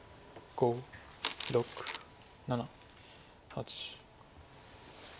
５６７８。